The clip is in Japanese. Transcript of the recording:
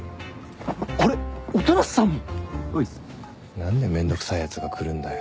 何でめんどくさいやつが来るんだよ。